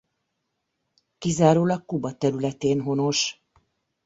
Kizárólag Kuba területén honos.